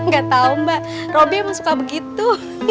gak tau mbak robby emang suka begitu